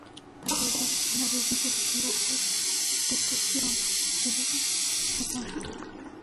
De acuerdo, una vez di positivo por testosterona... ¿pero es eso dopaje?